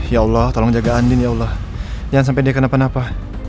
ya allah tolong jaga andin ya allah jangan sampai dia kenapa napa